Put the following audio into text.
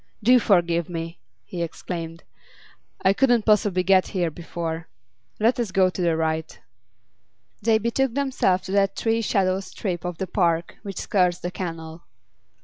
'Do forgive me!' he exclaimed. 'I couldn't possibly get here before. Let us go to the right.' They betook themselves to that tree shadowed strip of the park which skirts the canal.